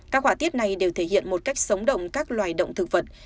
các họa tiết này đều thể hiện một cách sống động các loài động thực vật